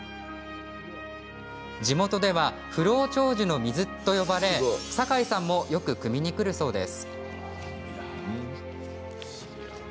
地元では不老長寿の水と呼ばれ坂井さんも、よくくみに来るそうです。